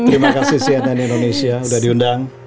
terima kasih si anani indonesia sudah diundang